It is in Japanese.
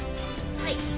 はい。